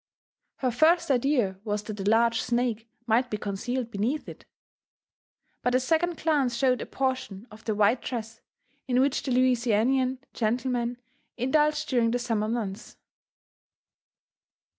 Her first idea was that a large snake might be concealed beneath it ; but a second glance showed a portion of the white dress in which the Louisianian gentlemen indulge during the summer months.